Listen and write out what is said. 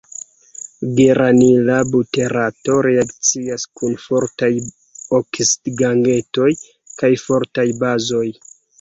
Geranila buterato reakcias kun fortaj oksidigagentoj kaj fortaj bazoj.